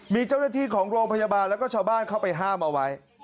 มีเจ้าหน้าที่ของโรงพยาบาลแล้วก็ชาวบ้านเข้าไปห้ามเอาไว้